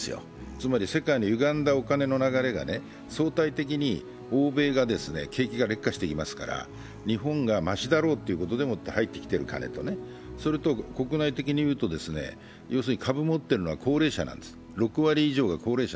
つまり世界のゆがんだお金の流れが相対的に欧米が景気が劣化してきますから日本がマシだろうということで入ってきてる金と、国内的に見ると株を持っているのは高齢者なんです、６割以上は高齢者。